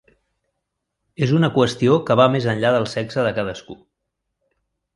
És una qüestió que va més enllà del sexe de cadascú.